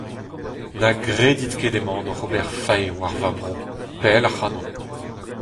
"Na gredit ket emaon oc’h ober fae war va bro ; pell ac’hano."